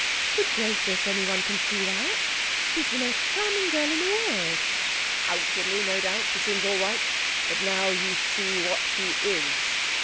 'Good gracious! Anyone can see that! She's the most charming girl in the world.' 'Outwardly, no doubt, she seems all right. But now you see what she is.'